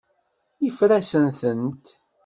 Yeffer-asent-tent.